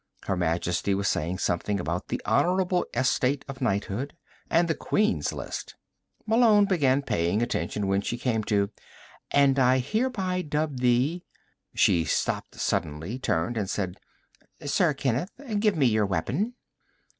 Her Majesty was saying something about the honorable estate of knighthood, and the Queen's List. Malone began paying attention when she came to: "... And I hereby dub thee " She stopped suddenly, turned and said: "Sir Kenneth, give me your weapon."